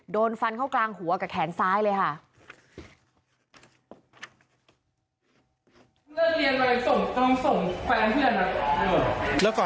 โดนฟันเข้ากลางหัวกับแขนซ้ายเลยค่ะ